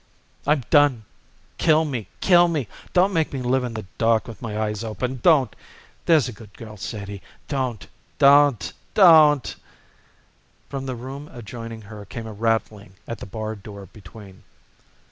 "I'm done! Kill me! Kill me! Don't make me live in the dark with my eyes open don't! There's a good girl, Sadie. Don't! Don't! Don't!" From the room adjoining came a rattling at the barred door between.